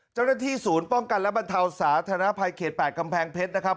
เจ้าหน้าที่ศูนย์ป้องกันและบรรเทาสาธารณภัยเขต๘กำแพงเพชรนะครับ